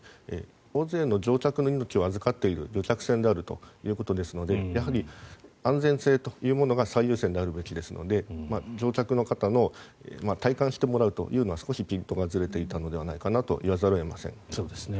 大勢の乗客の命を預かっている旅客船ということでですのでやはり安全性というものが最優先であるべきですので乗客の方の体感してもらうというのは少しピントがずれていたのではないかと言わざるを得ません。